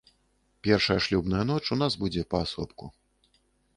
Першая шлюбная ноч у нас будзе паасобку.